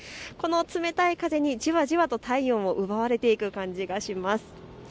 この冷たい風にじわじわと体温を奪われていく感じがします。